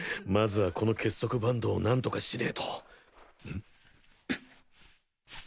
まずはこの結束バンドを何とかしねぇとん？